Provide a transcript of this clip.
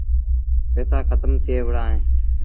پئيٚسآ کتم ٿئي وُهڙآ اهيݩ۔